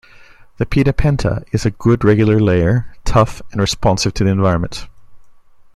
The Pita Pinta is a good, regular layer, tough and responsive to the environment.